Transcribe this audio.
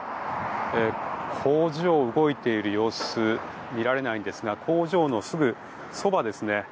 工場動いている様子見られないんですが工場のすぐそばですね